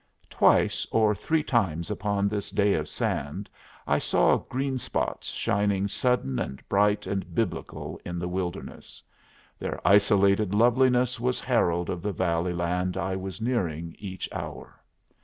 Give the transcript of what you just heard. Twice or three times upon this day of sand I saw green spots shining sudden and bright and Biblical in the wilderness. Their isolated loveliness was herald of the valley land I was nearing each hour.